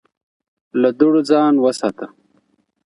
له دوړو ځان وساته